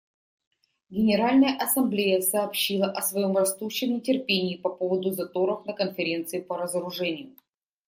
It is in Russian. Генеральная Ассамблея сообщила о своем растущем нетерпении по поводу заторов на Конференции по разоружению.